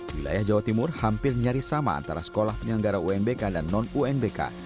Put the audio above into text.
wilayah jawa timur hampir nyaris sama antara sekolah penyelenggara unbk dan non unbk